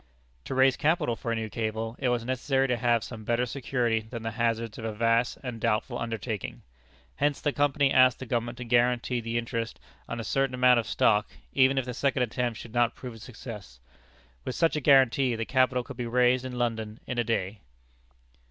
To raise capital for a new cable, it was necessary to have some better security than the hazards of a vast and doubtful undertaking. Hence the Company asked the Government to guarantee the interest on a certain amount of stock, even if the second attempt should not prove a success. With such a guarantee, the capital could be raised in London in a day.